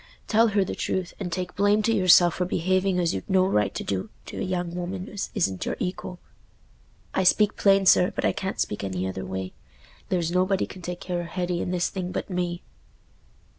Tell her the truth, and take blame to yourself for behaving as you'd no right to do to a young woman as isn't your equal. I speak plain, sir, but I can't speak any other way. There's nobody can take care o' Hetty in this thing but me."